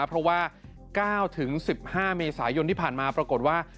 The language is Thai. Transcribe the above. เพราะว่า๙๑๕เมษายนที่ผ่านมาปรากฏว่า